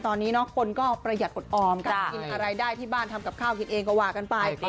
ตอนนี้คนก็ประหยัดอดออมการกินอะไรได้ที่บ้านทำกับข้าวกินเองก็ว่ากันไป